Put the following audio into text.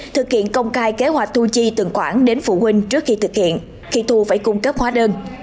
thực hiện công cai kế hoạch thu chi từng khoản đến phụ huynh trước khi thực hiện khi thu phải cung cấp hóa đơn